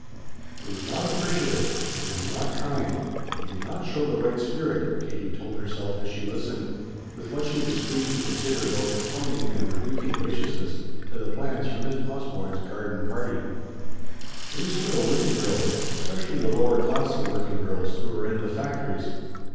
It was not appreciative, it was not kind, it did not show the right spirit, Katie told herself as she listened, with what she was pleased to consider both atoning and rebuking graciousness, to the plans for Miss Osborne's garden party. "It is for the working girls, especially the lower class of working girls, who are in the factories.